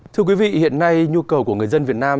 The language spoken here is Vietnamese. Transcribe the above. thưa quý vị hiện nay nhu cầu của người dân việt nam